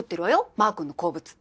マー君の好物。